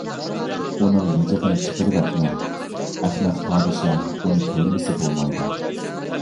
ئۇنىڭ مىجىقىنى چىقىرىۋەتمە، ئەخمەق پادىشاھ ئۇنى كۆرمىسە بولمايدۇ.